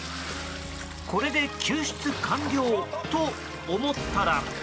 これで救出完了と思ったら。